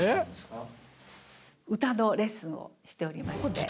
歌のレッスンをしておりまして。